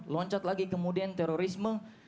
loncat lagi kemudian terorisme